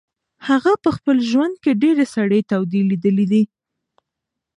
هغه په خپل ژوند کې ډېرې سړې تودې لیدلې دي.